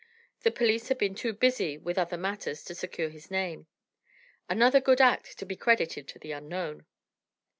The police had been too busy with other matters to secure his name. Another good act to be credited to an unknown!